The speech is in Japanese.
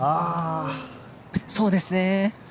そうですね。